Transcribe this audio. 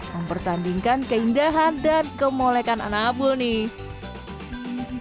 mempertandingkan keindahan dan kemolekan anak abu nih